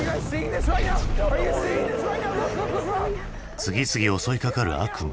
次々襲いかかる悪夢。